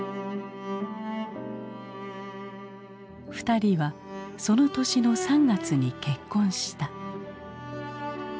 ２人はその年の３月に結婚した。